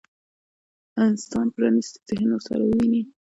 انسان پرانيستي ذهن ورسره وويني.